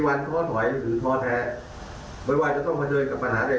หลังจากนี้คำสั่งให้กับคุณสุภัณฑ์สตราพัฒน์